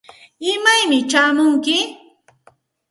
¿imaymi chayamunki?